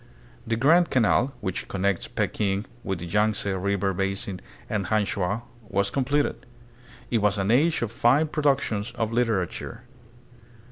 The Grand Canal, which connects Peking with the Yangtze River basin and Hangchau, was completed. It was an age of fine productions of literature.